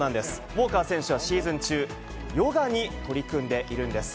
ウォーカー選手はシーズン中、ヨガに取り組んでいるんです。